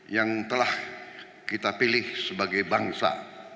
yang telah kita pilih sebagai bangsa